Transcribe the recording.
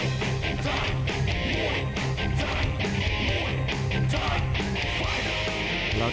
คนนี้มาจากอำเภออูทองจังหวัดสุภัณฑ์บุรีนะครับ